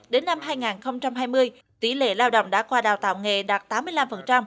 đến năm hai nghìn hai mươi tỷ lệ lao động đã qua đào tạo nghề đạt tám mươi năm